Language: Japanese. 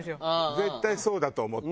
絶対そうだと思った。